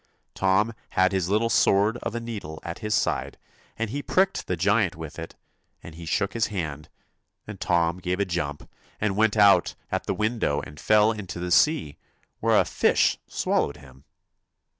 Tom had his little sword of a needle at his side and he pricked the giant with it, and he shook his hand, and Tom gave a jump and went out at the window and fell into the sea. where a fish swallowed him.